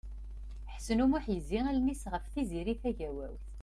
Ḥsen U Muḥ yezzi allen-is ɣef Tiziri Tagawawt.